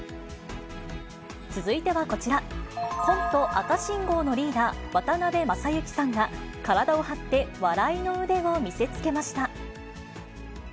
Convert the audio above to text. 続いてはこちら、コント赤信号のリーダー、渡辺正行さんが、体を張って笑いの腕を見せつけました。